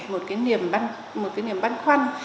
một cái niềm băn khoăn